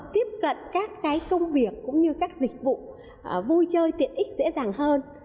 tiếp cận các công việc cũng như các dịch vụ vui chơi tiện ích dễ dàng hơn